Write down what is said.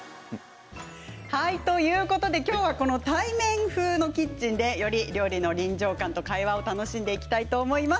今日は、この対面風キッチンで、より料理の臨場感と会話を楽しんでいきたいと思います。